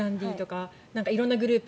色んなグループ。